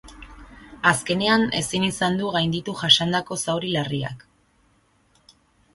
Azkenean, ezin izan du gainditu jasandako zauri larriak.